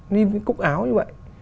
như cái cúc áo như vậy